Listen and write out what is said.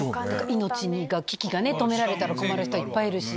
命に関わる危機がね、止められたら困る人、いっぱいいるし。